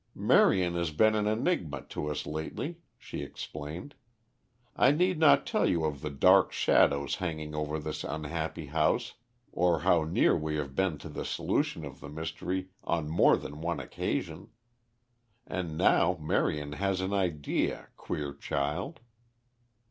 "Marion has been an enigma to us lately," she explained. "I need not tell you of the dark shadows hanging over this unhappy house, or how near we have been to the solution of the mystery on more than one occasion. And now Marion has an idea, queer child.